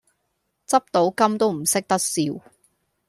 執到金都唔識得笑